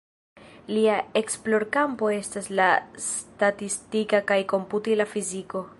Lia esplorkampo estas la statistika kaj komputila fiziko.